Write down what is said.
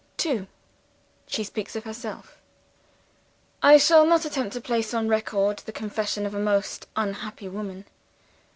'" 2. She Speaks of Herself. "I shall not attempt to place on record the confession of a most unhappy woman.